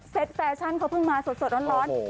เซสแฟชันเค้าเพิ่งมาสดร้อน